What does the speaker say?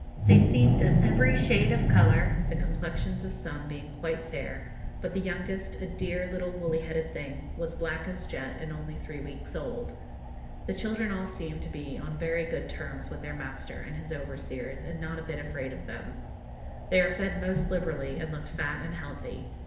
They seemed of every shade of colour, the complexions of some being quite fair, but the youngest, a dear little woolly headed thing, was black as jet, and only three weeks old. The children all seemed to be on very good terms with their master and his overseers, and not a bit afraid of them. They are fed most liberally, and looked fat and healthy.